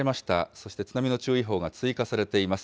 そして津波の注意報が追加されています。